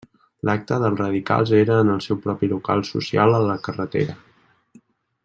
L'acte dels radicals era en el seu propi local social a la carretera.